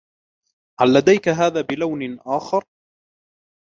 هل لديك هذا بلون آخر ؟